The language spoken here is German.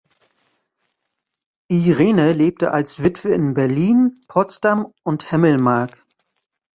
Irene lebte als Witwe in Berlin, Potsdam und Hemmelmark.